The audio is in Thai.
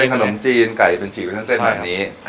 เส้นขนมจีนไก่เป็นฉีกเส้นแบบนี้